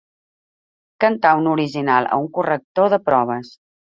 Cantar un original a un corrector de proves.